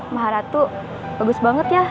mahalatu bagus banget ya